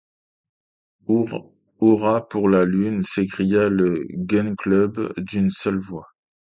Hurrah pour la Lune! s’écria le Gun-Club d’une seule voix.